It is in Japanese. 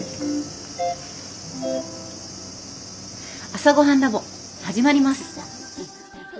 「朝ごはんＬａｂ．」始まります。